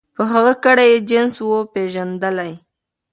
په هغه ګړي یې جنس وو پیژندلی